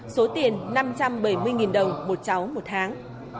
số tiền năm trăm bảy mươi đồng một cháu một tháng